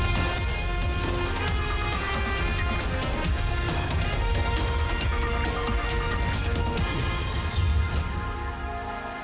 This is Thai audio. โปรดติดตาม